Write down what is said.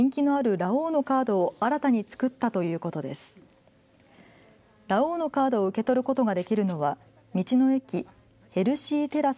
ラオウのカードを受け取ることができるのは道の駅ヘルシーテラス